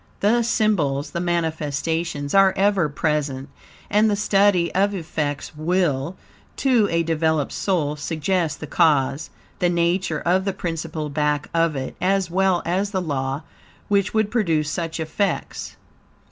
The symbols, the manifestations, are ever present, and the study of effects will, to a developed soul, suggest the cause, the nature of the principle back of it, as well as the law which would produce such effects.